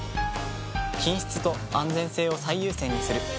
品質と安全性を最優先にする。